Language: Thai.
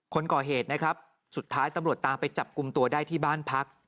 คนก่อเหตุนะครับสุดท้ายตำรวจตามไปจับกลุ่มตัวได้ที่บ้านพัก